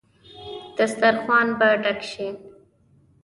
دسترخان به ډک شي.